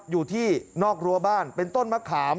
อยู่ที่นอกรั้วบ้านเป็นต้นมะขาม